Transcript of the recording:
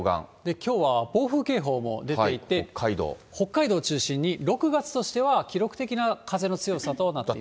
きょうは暴風警報も出ていて、北海道を中心に６月としては記録的な風の強さとなっています。